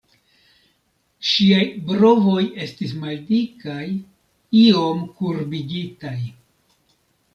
Ŝiaj brovoj estis maldikaj, iom kurbigitaj.